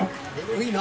いいの？